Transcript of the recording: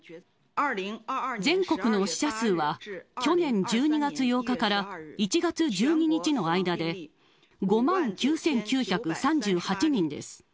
全国の死者数は、去年１２月８日から１月１２日の間で、５万９９３８人です。